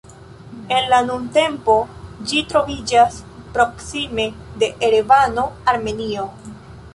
En la nuntempo ĝi troviĝas proksime de Erevano, Armenio.